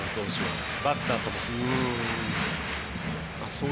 バッターとの。